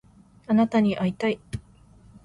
あなたに会いたい